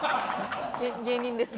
芸人です